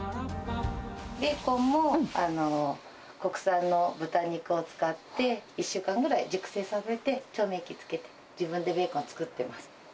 ベーコンも国産の豚肉を使って、１週間ぐらい熟成させて、調味液に漬けて自分でベーコン作ってます。